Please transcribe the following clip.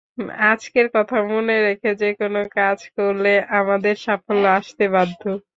আজকের কথা মনে রেখে যেকোনো কাজ করলে আমাদের সাফল্য আসতে বাধ্য।